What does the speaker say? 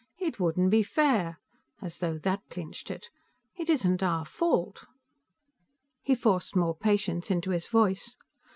"It wouldn't be fair!" As though that clinched it. "It isn't our fault!" He forced more patience into his voice.